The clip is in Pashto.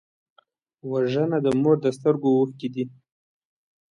وژنه د مور د سترګو اوښکې دي